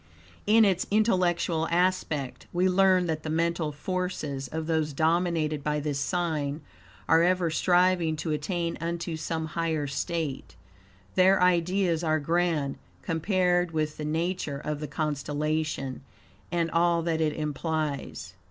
In its intellectual aspect, we learn that the mental forces of those dominated by this sign are ever striving to attain unto some higher state. Their ideas are grand, compared with the nature of the constellation, and all that it implies.